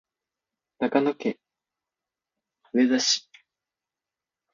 長野県上田市